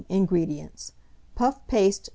INGREDIENTS. Puff paste No.